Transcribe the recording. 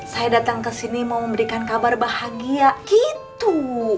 saya dateng kesini mau memberikan kabar bahagia gitu